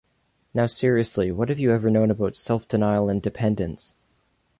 Now seriously, what have you ever known of self-denial and dependence?